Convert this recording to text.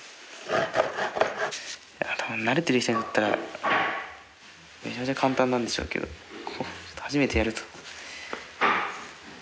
慣れてる人がやったらめちゃめちゃ簡単なんでしょうけど初めてやると。